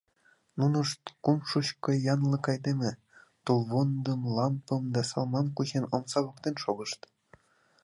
Нунышт, кум шучко янлык-айдеме, тулвондым, лампым да салмам кучен омса воктен шогышт.